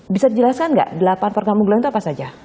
bisa dijelaskan nggak delapan program unggulan itu apa saja